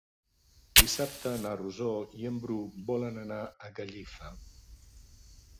Dissabte na Rosó i en Bru volen anar a Gallifa.